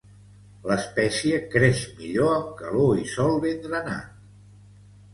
L'espècie creix millor amb calor i sòl ben drenat.